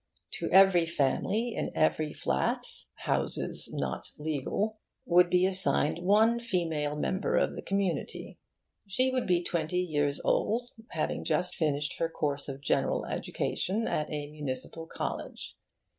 To every family in every flat (houses not legal) would be assigned one female member of the community. She would be twenty years old, having just finished her course of general education at a municipal college.